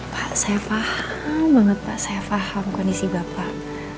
pak saya paham banget pak saya paham kondisi bapak